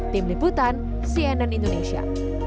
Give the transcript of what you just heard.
tim liputan cnn indonesia